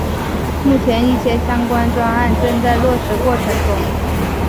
目前一些相关专案正在落实过程中。